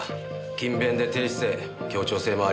勤勉で低姿勢協調性もあり